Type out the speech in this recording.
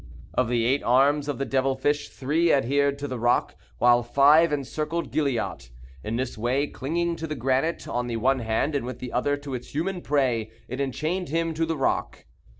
Of the eight arms of the devil fish three adhered to the rock, while five encircled Gilliatt. In this way, clinging to the granite on the one hand, and with the other to its human prey, it enchained him to the rock.